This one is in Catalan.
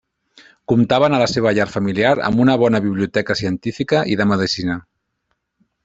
Comptaven a la seva llar familiar amb una bona biblioteca científica i de medicina.